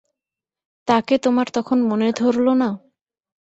তাকে তোমার তখন মনে ধরল না!